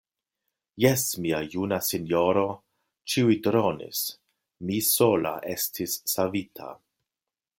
Jes, mia juna sinjoro, ĉiuj dronis; mi sola estis savita.